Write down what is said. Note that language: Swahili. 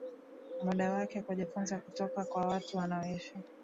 muda wake kujifunza kutoka kwa watu wanaoishi